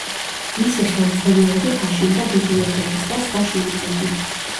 მისი ხელმძღვანელობით აშენდა ბიბლიოთეკის და სხვა შენობები.